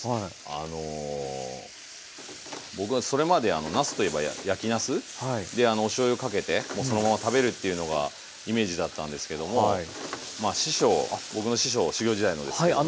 あの僕はそれまでなすといえば焼きなすでおしょうゆかけてもうそのまま食べるっていうのがイメージだったんですけども師匠僕の師匠修業時代のですけども。